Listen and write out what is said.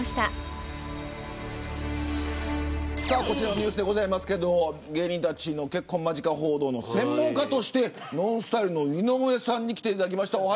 こちらのニュースでございますけど芸人たちの結婚間近報道の専門家としてＮＯＮＳＴＹＬＥの井上さんに来ていただきました。